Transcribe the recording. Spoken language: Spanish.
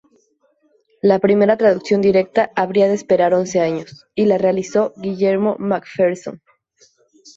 La primera traducción directa habría de esperar once años, y la realizó Guillermo Mcpherson.